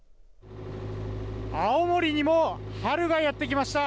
青森にも春がやってきました。